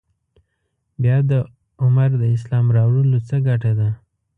بیا د عمر د اسلام راوړلو څه ګټه ده.